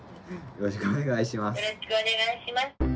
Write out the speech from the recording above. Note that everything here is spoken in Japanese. よろしくお願いします。